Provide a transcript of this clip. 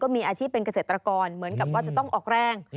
มีอาชีพเป็นเกษตรกรเหมือนกับว่าจะต้องออกแรง